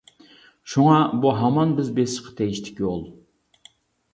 شۇڭا، بۇ ھامان بىز بېسىشقا تېگىشلىك يول.